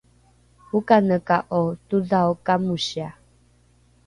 okaneka’o todhao kamosia?